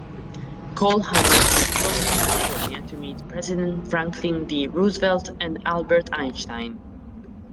Kolhammer is flown to California to meet President Franklin D. Roosevelt and Albert Einstein.